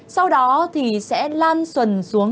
sau đó thì sẽ lan xuần xuống